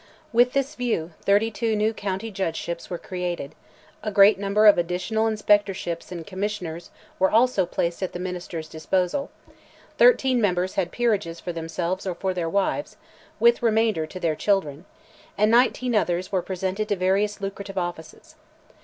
With this view, thirty two new county judgeships were created; a great number of additional inspectorships and commissioners were also placed at the Minister's disposal; thirteen members had peerages for themselves or for their wives, with remainder to their children, and nineteen others were presented to various lucrative offices.